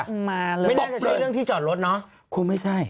ไม่มีอะไรต่างจากความรู้จักกับนางกาว